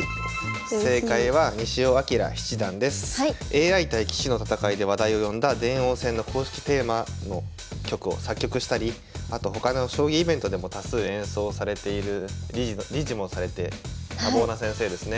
ＡＩ対棋士の戦いで話題を呼んだ電王戦の公式テーマの曲を作曲したりあと他の将棋イベントでも多数演奏されている理事もされて多忙な先生ですね。